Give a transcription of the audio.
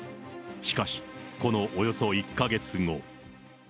しかし、このおよそ１か月後。